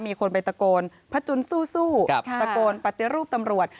มีคนไปตะโกนพระจุนสู้ตะโกนปฏิรูปตำรวจ